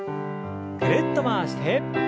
ぐるっと回して。